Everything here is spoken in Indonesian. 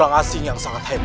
enggak di bawah kemana